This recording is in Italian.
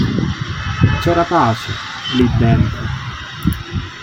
C'era pace, lì dentro.